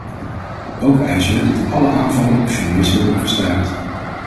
Ook eisen we dat alle aanvallen op journalisten worden gestaakt.